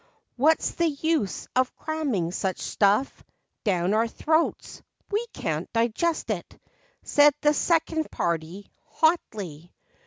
What's the use of cramming such stuff Down our throats? We can't digest it," Said the second party, hotly.